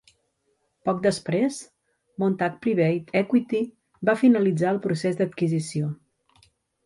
Poc després, Montague Private Equity va finalitzar el procés d'adquisició.